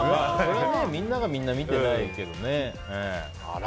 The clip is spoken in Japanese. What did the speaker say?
みんながみんな見てないけどね。